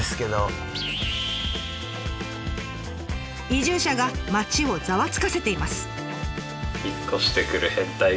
移住者が街をざわつかせています。